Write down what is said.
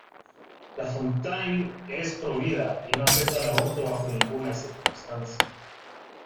LaFontaine es provida y no acepta el aborto bajo ninguna circunstancia.